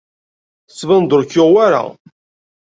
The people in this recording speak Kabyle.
Tettbaneḍ-d ur k-yuɣ wara.